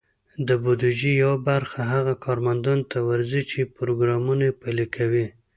د بودیجې یوه برخه هغه کارمندانو ته ورځي، چې پروګرامونه پلي کوي.